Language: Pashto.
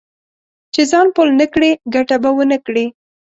چې ځان پل نه کړې؛ ګټه به و نه کړې.